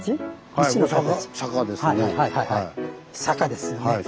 坂ですね